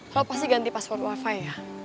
kalau pasti ganti password wifi ya